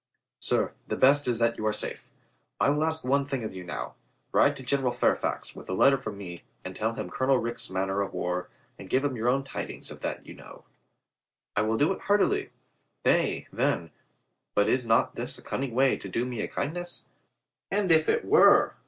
"Sir, the best is that you are safe. I will ask one thing of you now. Ride to General Fairfax with COLONEL RICH IS INTERRUPTED 315 a letter from me to tell him Colonel Rich's manner of war and give him your own tidings of that you know." "I will do it heartily. Nay, then, but is not this a cunning way to do me a kindness?" "And if it were!